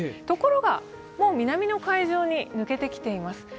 ところがもう南の海上に抜けてきています。